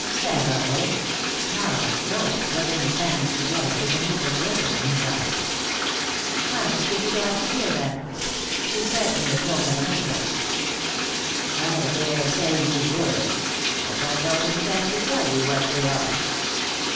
"Several!" snarled Joad, rubbing his hands together, with an evil glitter in his eyes. "I should be glad to hear them," she said in the tone of an empress. "I dare say you would; but I don't intend to tell you what they are."